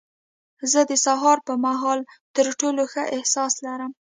زه د سهار پر مهال تر ټولو ښه احساس لرم.